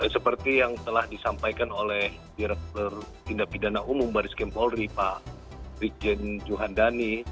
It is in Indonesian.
seperti yang telah disampaikan oleh direkturat tindak pidana umum barres krim polri pak rikjen juhandani